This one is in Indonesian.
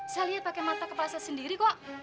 saya lihat pakai mata kepala saya sendiri kok